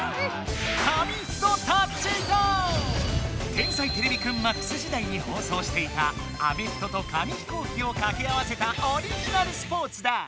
「天才てれびくんＭＡＸ」時代に放送していたアメフトと紙飛行機をかけ合わせたオリジナルスポーツだ。